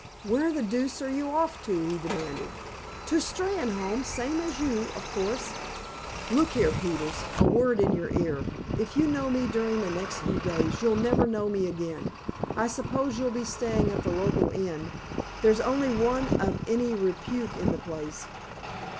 "Where the deuce are you off to?" he demanded. "To Steynholme—same as you, of course." "Look here, Peters, a word in your ear. If you know me during the next few days, you'll never know me again. I suppose you'll be staying at the local inn—there's only one of any repute in the place?"